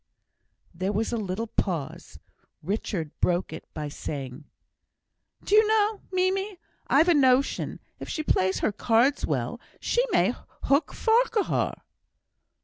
There was a little pause; Richard broke it by saying: "Do you know, Mimie, I've a notion, if she plays her cards well, she may hook Farquhar!"